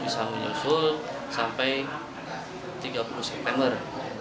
bisa menyusul sampai tiga puluh september